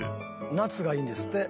夏がいいんですって。